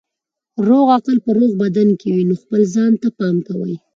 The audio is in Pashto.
روغ عقل په روغ بدن کې وي نو خپل ځان ته پام کوئ.